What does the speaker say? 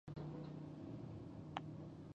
ال میز ته راغی.